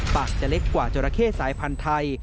ปากจะเล็กกว่าจราเข้สายพันธุ์ไทย